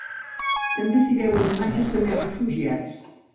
També s’hi veuen imatges de més refugiats.